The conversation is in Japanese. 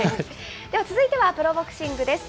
では続いてはプロボクシングです。